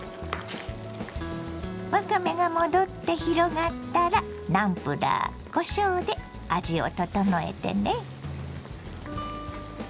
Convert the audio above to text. わかめが戻って広がったらナムプラーこしょうで味を調えてね。